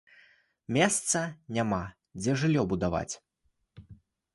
Месца няма, дзе жыллё будаваць?